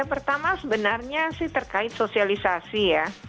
ya pertama sebenarnya sih terkait sosialisasi ya